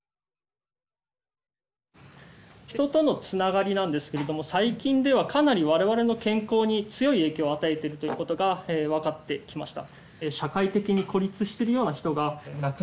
人とのつながりなんですけれども最近ではかなり我々の健康に強い影響を与えてるということが分かってきました。